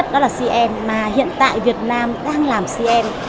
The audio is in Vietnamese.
đó là cm mà hiện tại việt nam đang làm cm